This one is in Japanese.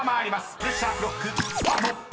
プレッシャークロックスタート！］